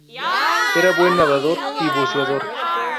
Era buen nadador y buceador.